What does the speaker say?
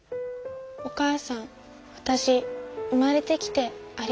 お母さんわたし生まれてきてありがとうって。